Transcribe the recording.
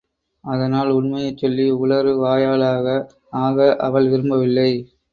அதனால் உண்மையைச்சொல்லி உளறு வாயளாக ஆக அவள் விரும்பவில்லை.